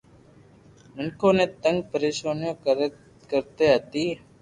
مينکون ني تنگ پريݾون ڪرتي ھتي